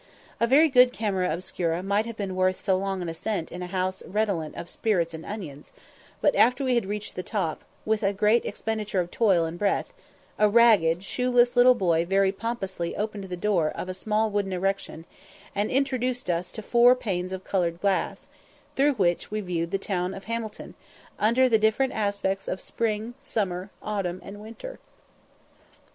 A very good camera obscura might have been worth so long an ascent in a house redolent of spirits and onions; but after we had reached the top, with a great expenditure of toil and breath, a ragged, shoeless little boy very pompously opened the door of a small wooden erection, and introduced us to four panes of coloured glass, through which we viewed the town of Hamilton, under the different aspects of spring, summer, autumn, and winter!